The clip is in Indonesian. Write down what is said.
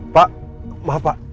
pak maaf pak